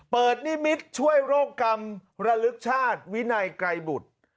นิมิตรช่วยโรคกรรมระลึกชาติวินัยไกรบุตร